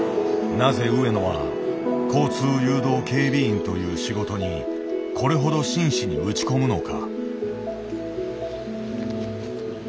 なぜ上野は交通誘導警備員という仕事にこれほど真摯に打ち込むのか。